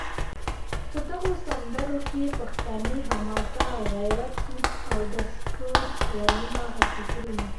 په دغو سندرو کې پښتني حماسه او غیرت، دود او دستور، خیالونه او فکرونه